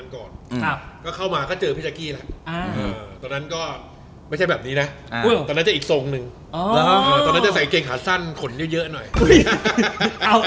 ทำเป็นตอนที่ก็ใส่เกงขาสั้นขนเยอะเยอะหน่อย